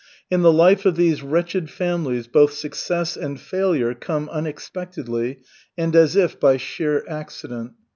In the life of these wretched families both success and failure come unexpectedly and as if by sheer accident.